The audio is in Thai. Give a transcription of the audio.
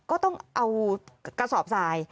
ก็ต้องเอากระสอบทราย